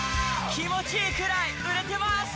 気持ちいいくらい売れてます！